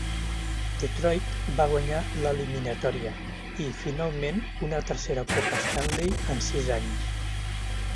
Detroit va guanyar l'eliminatòria i, finament, una tercera Copa Stanley en sis anys.